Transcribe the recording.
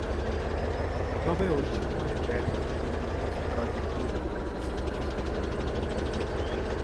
তবে, ঐ সময়ে ব্যাট হাতে তিনি কিছু কার্যকরী ইনিংস খেলেছিলেন।